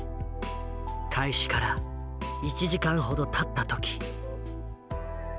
開始から１時間ほどたった時。